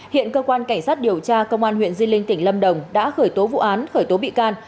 hiện cơ quan cảnh sát điều tra công an huyện di linh tỉnh lâm đồng đã khởi tố vụ án khởi tố bị can